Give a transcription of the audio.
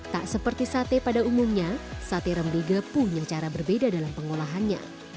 tak seperti sate pada umumnya sate rembige punya cara berbeda dalam pengolahannya